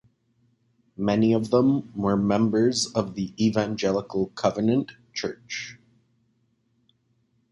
Many of them were members of the Evangelical Covenant Church.